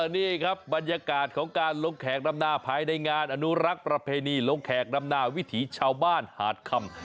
นี่ครับบรรยากาศของการลงแขกดำนาภายในงานอนุรักษ์ประเพณีลงแขกดำนาวิถีชาวบ้านหาดคำ